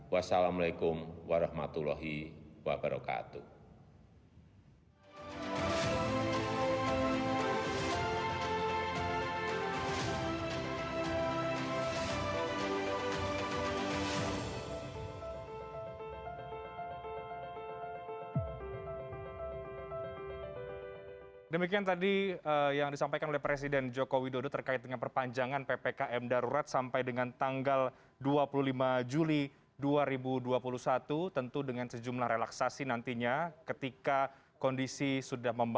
wassalamu'alaikum warahmatullahi wabarakatuh